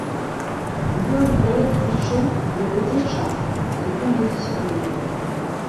Ён, здаецца, чуў, як ідзе час, секунда за секундай.